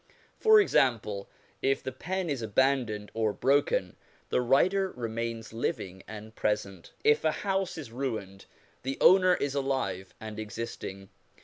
For example, if the pen is abandoned or broken, the writer remains living and present; if a house is ruined, the owner is alive and existing.